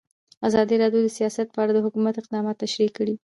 ازادي راډیو د سیاست په اړه د حکومت اقدامات تشریح کړي.